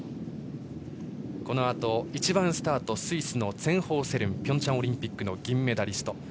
このあと、１番スタートスイスのツェンホウセルンピョンチャンオリンピック銀メダリスト。